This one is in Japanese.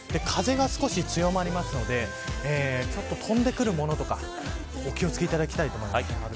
風が少し強まるので飛んでくるものとかお気を付けいただきたいと思います。